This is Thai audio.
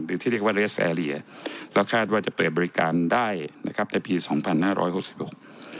ที่เรียกว่าเรสแอเรียแล้วคาดว่าจะเปิดบริการได้นะครับในปีสองพันห้าร้อยหกสิบหก